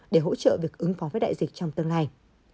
để hỗ trợ việc ứng phó với đại dịch trong tương lai